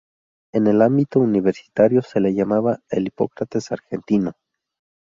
En el ámbito universitario, se le llamaba el "Hipócrates argentino".